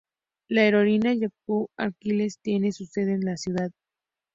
La aerolínea Yakutia Airlines tiene su sede en la ciudad.